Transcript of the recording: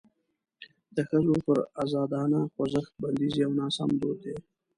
د ښځو پر ازادانه خوځښت بندیز یو ناسم دود دی.